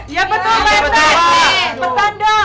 iya betul pak rt